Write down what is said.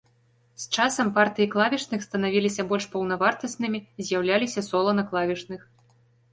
З часам партыі клавішных станавіліся больш паўнавартаснымі, з'яўляліся сола на клавішных.